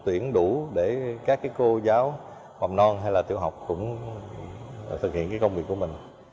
tuyển đủ để các cô giáo mầm non hay là tiểu học cũng thực hiện công việc của mình